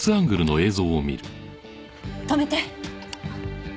止めて！